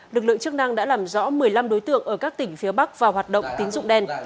lực lượng chức năng đã làm rõ một mươi năm đối tượng ở các tỉnh phía bắc vào hoạt động tín dụng đen